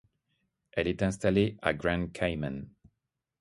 Elle est installée à Grand Cayman.